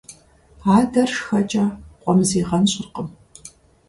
Адэр шхэкӀэ къуэм зигъэнщӀыркъым.